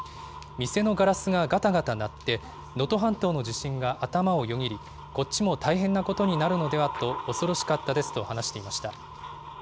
店のガラスががたがた鳴って、能登半島の地震が頭をよぎり、こっちも大変なことになるのではと恐ろしかったですと話していました。